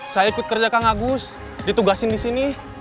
saya ikut kerja kang agus ditugasin di sini